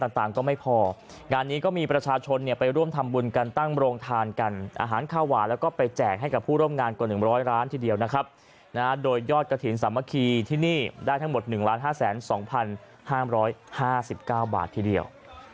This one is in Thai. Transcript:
ก็ไม่พองานนี้ก็มีประชาชนเนี่ยไปร่วมทำบุญกันตั้งโรงทานกันอาหารข้าวหวานแล้วก็ไปแจกให้กับผู้ร่วมงานกว่า๑๐๐ล้านทีเดียวนะครับนะโดยยอดกระถิ่นสามัคคีที่นี่ได้ทั้งหมด๑๕๒๕๕๙บาททีเดียว